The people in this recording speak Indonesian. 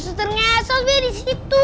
susur ngesot ya disitu